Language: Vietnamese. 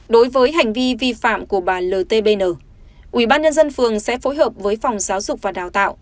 đối với hành vi vi phạm của bà ltbn ubnd phường sẽ phối hợp với phòng giáo dục và đào tạo